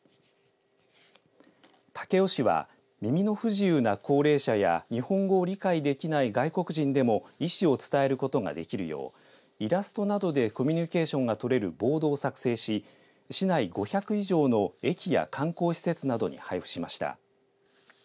武雄市は耳の不自由な高齢者や日本語を理解できない外国人でも意思を伝えることができるようイラストなどでコミュニケーションが取れるボードを作成し市内５００以上の駅や観光施設などに配付しました。